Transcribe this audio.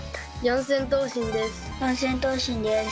四千頭身です。